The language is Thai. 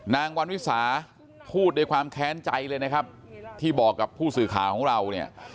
นางวันวิสาพูดด้วยความแค้นใจเลยนะครับที่บอกกับผู้สื่อข่าวของเราเนี่ย